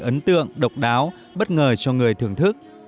ấn tượng độc đáo bất ngờ cho người thưởng thức